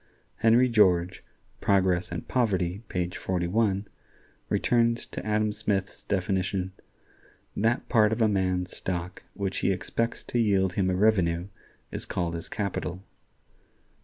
Henry George ("Progress and Poverty," page 41) returns to Adam Smith's definition: "That part of a man's stock which he expects to yield him a revenue is called his capital."